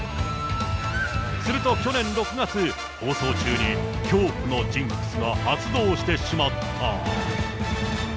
すると去年６月、放送中に恐怖のジンクスが発動してしまった。